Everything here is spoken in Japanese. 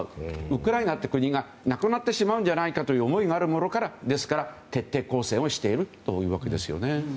ウクライナという国がなくなってしまうんじゃないかという思いがあるものですから徹底抗戦しているというわけですよね。